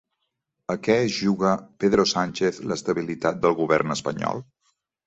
A què es juga Pedro Sánchez l'estabilitat del govern espanyol?